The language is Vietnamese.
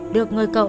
được người cậu